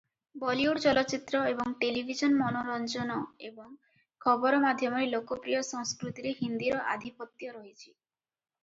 ବଲିଉଡ ଚଳଚ୍ଚିତ୍ର ଏବଂ ଟେଲିଭିଜନ ମନୋରଞ୍ଜନ ଏବଂ ଖବର ମାଧ୍ୟମରେ ଲୋକପ୍ରିୟ ସଂସ୍କୃତିରେ ହିନ୍ଦୀର ଆଧିପତ୍ୟ ରହିଛି ।